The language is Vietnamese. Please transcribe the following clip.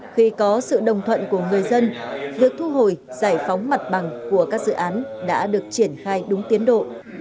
khi có sự đồng thuận của người dân việc thu hồi giải phóng mặt bằng của các dự án đã được triển khai đúng tiến độ